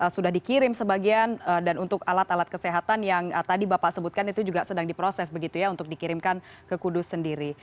sudah dikirim sebagian dan untuk alat alat kesehatan yang tadi bapak sebutkan itu juga sedang diproses begitu ya untuk dikirimkan ke kudus sendiri